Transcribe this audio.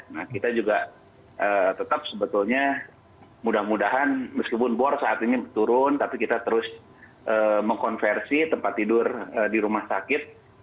nah kita juga tetap sebetulnya mudah mudahan meskipun bor saat ini turun tapi kita terus mengkonversi tempat tidur di rumah sakit